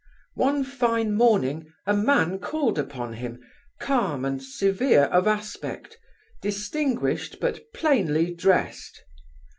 One fine morning a man called upon him, calm and severe of aspect, distinguished, but plainly dressed.